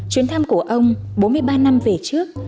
chuyến thăm của ông bốn mươi ba năm về trước